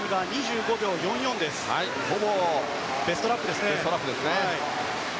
ほぼベストラップですね。